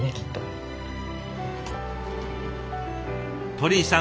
鳥居さん